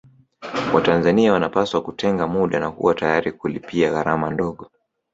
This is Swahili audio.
Watanzania wanapaswa kutenga muda na kuwa tayari kulipia gharama ndogo